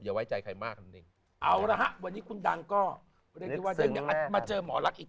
อย่าไว้ใจใครมากนึงเอานะวันนี้คุณดังก็มาเจอหมอลักษณ์อีก